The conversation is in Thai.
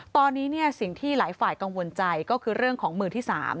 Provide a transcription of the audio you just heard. ตอนนี้สิ่งที่หลายฝ่ายกังวลใจก็คือเรื่องของมือที่๓